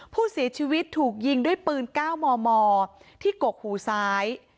ผู้เสียชีวิตถูกยิงด้วยปืน๙มมที่กกหูซ้าย